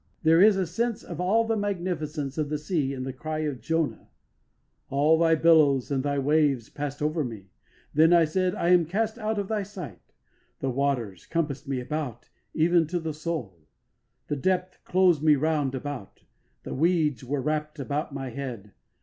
There is a sense of all the magnificence of the sea in the cry of Jonah: All thy billows and thy waves passed over me. Then I said, I am cast out of thy sight;... The waters compassed me about, even to the soul: The depth closed me round about, The weeds were wrapped about my head.